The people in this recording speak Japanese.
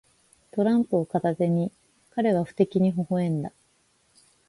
トランプを片手に、彼は不敵にほほ笑んだ。